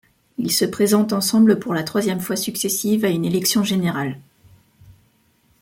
Ils se présentent ensemble pour la troisième fois successive à une élection générale.